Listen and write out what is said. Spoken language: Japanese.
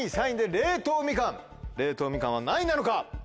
冷凍みかんは何位なのか？